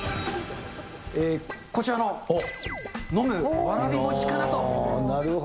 こちらの飲むわらびもちかな